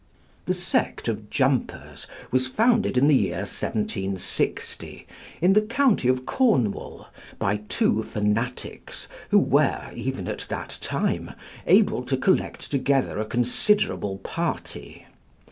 The sect of Jumpers was founded in the year 1760, in the county of Cornwall, by two fanatics, who were, even at that time, able to collect together a considerable party.